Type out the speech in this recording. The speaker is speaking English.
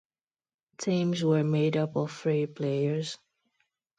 Teams were made up of three players.